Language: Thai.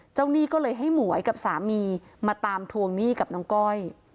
หนี้ก็เลยให้หมวยกับสามีมาตามทวงหนี้กับน้องก้อย